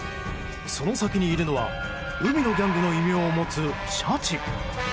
その先にいるのは海のギャングの異名を持つシャチ。